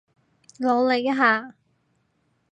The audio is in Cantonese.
努力一下